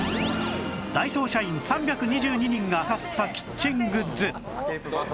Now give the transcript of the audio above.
ダイソー社員３２２人が買ったキッチングッズ